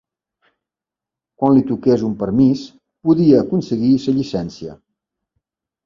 Quan li toqués un permís podia aconseguir la llicència